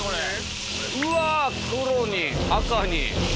うわ黒に赤に！